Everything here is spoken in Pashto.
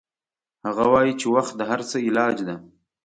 هغه وایي چې وخت د هر څه علاج ده